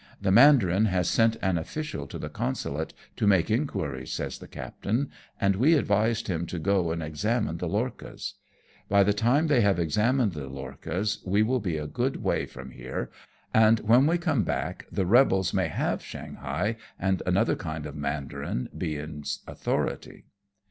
" The mandarin has sent an official to the Consulate to make inquiries," says the captain, " and we advised him to go and examine the lorchas. By the time they have examined the lorchas we will be a good way from here, and when we come hack the rebels may have Shanghai, and another kind of mandariu be in authority."